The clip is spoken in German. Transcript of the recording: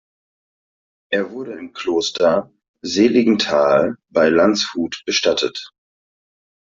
Er wurde im Kloster Seligenthal bei Landshut bestattet.